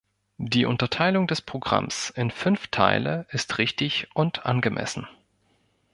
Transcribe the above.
Die Unterteilung des Programms in fünf Teile ist richtig und angemessen.